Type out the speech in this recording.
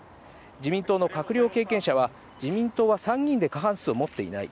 自民党の閣僚関係者は、自民党は参議院で過半数を持っていない。